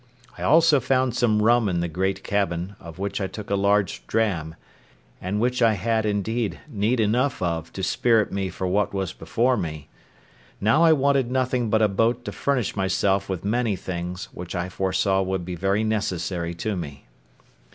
I also found some rum in the great cabin, of which I took a large dram, and which I had, indeed, need enough of to spirit me for what was before me. Now I wanted nothing but a boat to furnish myself with many things which I foresaw would be very necessary to me.